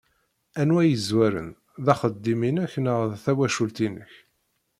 Anwa i yezwaren, d axeddim-inek neɣ d tawacult-inek?